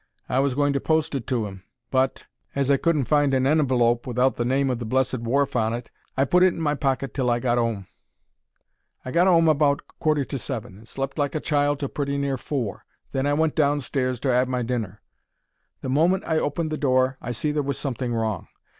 I was going to post it to 'im, but, as I couldn't find an envelope without the name of the blessed wharf on it, I put it in my pocket till I got 'ome. I got 'ome at about a quarter to seven, and slept like a child till pretty near four. Then I went downstairs to 'ave my dinner. The moment I opened the door I see there was something wrong.